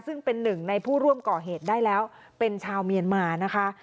ซึ่งเป็นหนึ่งในผู้ร่วมก่อเหตุได้แล้วเป็นชาวเมียนมานะคะ